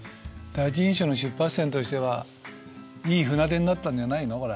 第一印象の出発点としてはいい船出になったんじゃないの？